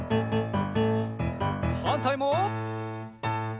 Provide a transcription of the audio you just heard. はんたいも。